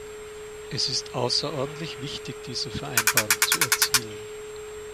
Es ist außerordentlich wichtig, diese Vereinbarung zu erzielen.